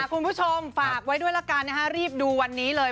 คุณผู้ชมฝากไว้ด้วยละกันรีบดูวันนี้เลย